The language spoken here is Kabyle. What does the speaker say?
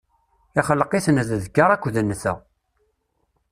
ixleq-iten d ddkeṛ akked nnta.